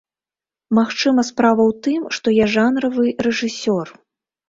Магчыма справа ў тым, што я жанравы рэжысёр.